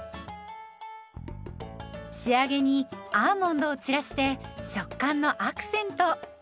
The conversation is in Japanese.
仕上げにアーモンドを散らして食感のアクセント。